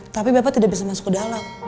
tapi bapak tidak bisa masuk ke dalam